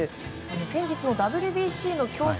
先日のＷＢＣの強化